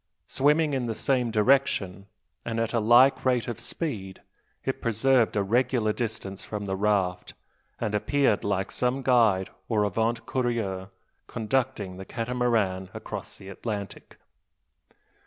Swimming in the same direction, and at a like rate of speed, it preserved a regular distance from the raft; and appeared like some guide or avant courier conducting the Catamaran across the Atlantic!